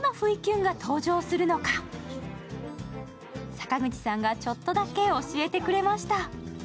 坂口さんがちょっとだけ教えてくれました。